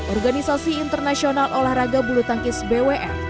organisasi internasional olahraga bulu tangkis bwf